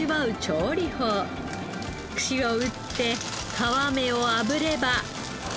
串を打って皮目を炙れば。